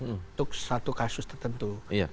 untuk satu kasus tertentu